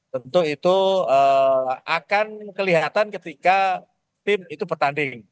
tentu itu akan kelihatan ketika tim itu bertanding